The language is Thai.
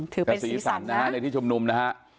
ถือเป็นศรีสรรค์นะศรีสรรค์ในที่ชมนุมนะฮะ